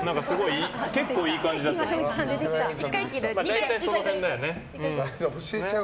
結構いい感じだと思う。